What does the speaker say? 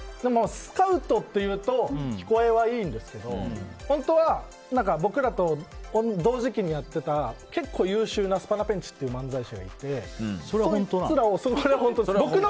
スカウトっていうと聞こえはいいんですけど本当は僕らと同時期にやってた結構優勝なスパナペンチっていうそれは本当なの？